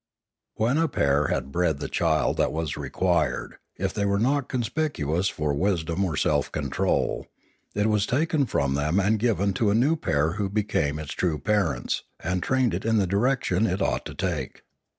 When a pair had bred the child that was required, if they were not conspicuous for wisdom or self control, it was taken from them and given to a new pair who became its true parents and trained it in the direction it ought to take.